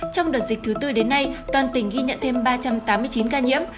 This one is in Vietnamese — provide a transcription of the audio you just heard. trong đợt dịch thứ tư đến nay toàn tỉnh ghi nhận thêm ba trăm tám mươi chín ca nhiễm